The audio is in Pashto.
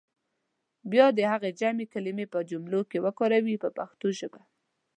بیا دې هغه جمع کلمې په جملو کې وکاروي په پښتو ژبه.